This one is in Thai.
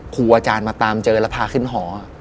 ครูอาจารย์มาตามเจอแล้วพาขึ้นหอ